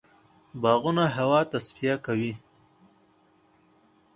باغونه هوا تصفیه کوي.